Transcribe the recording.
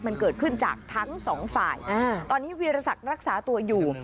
มันเกิดขึ้นจากทั้งสองฝ่ายตอนนี้วีรศักดิ์รักษาตัวอยู่